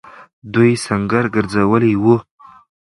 دوی سنګر گرځولی وو.